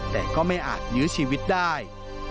แต่ก็ไม่อาจยื้อชีวิตได้